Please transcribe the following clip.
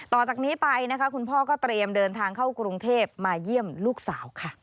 ต่อจากนี้ไปนะคะคุณพ่อก็เตรียมเดินทางเข้ากรุงเทพมาเยี่ยมลูกสาวค่ะ